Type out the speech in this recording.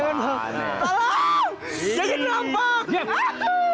tolong ya jen dirampak